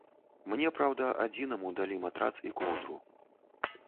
Мне, праўда, адзінаму далі матрац і коўдру.